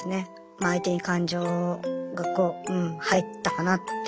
相手に感情がこう入ったかなって。